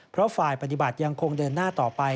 เพราะฝ่ายปฏิบัติยังคงเดินหน้าต่อไป